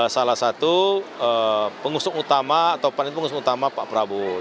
salah satu pengusung utama atau paling pengusung utama pak prabowo